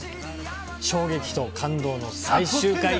衝撃と感動の最終回。